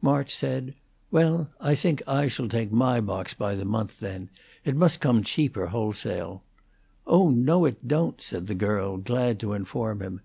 March said: "Well, I think I shall take my box by the month, then. It must come cheaper, wholesale." "Oh no, it don't," said the girl, glad to inform him.